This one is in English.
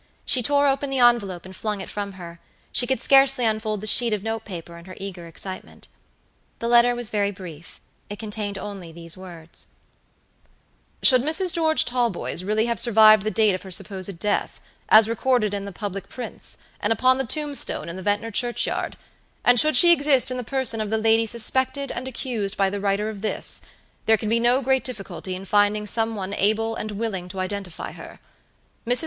She tore open the envelope and flung it from her; she could scarcely unfold the sheet of note paper in her eager excitement. The letter was very brief. It contained only these words: "Should Mrs. George Talboys really have survived the date of her supposed death, as recorded in the public prints, and upon the tombstone in Ventnor churchyard, and should she exist in the person of the lady suspected and accused by the writer of this, there can be no great difficulty in finding some one able and willing to identify her. Mrs.